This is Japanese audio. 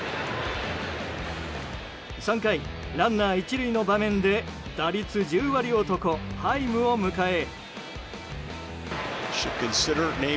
３回、ランナー１塁の場面で打率１０割男ハイムを迎え。